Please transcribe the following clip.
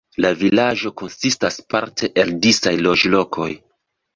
La vilaĝo konsistas parte el disaj loĝlokoj.